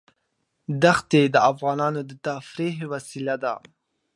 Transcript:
دښتې د افغانانو د تفریح وسیله ده.